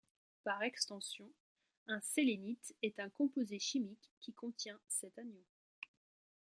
Par extension, un sélénite est un composé chimique qui contient cet anion.